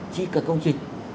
chi các công trình